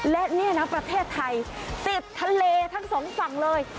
และนี่นะประเทศไทยติดทะเลทั้งสองฝั่งเลย